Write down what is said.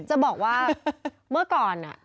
จะบอกว่าเมื่อก่อน